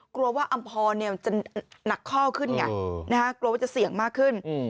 กลัวว่าอำพรจะหนักข้อขึ้นไงกลัวว่าจะเสี่ยงมากขึ้น